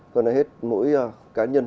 còn hết mỗi cá nhân